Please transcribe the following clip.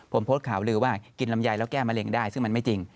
ผมโพสต์ข่าวลือว่ากินลำไยแล้วแก้มะเร็งได้ซึ่งมันไม่จริง